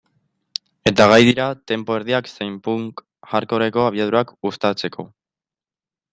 Eta gai dira tempo erdiak zein punk-hardcoreko abiadurak uztartzeko.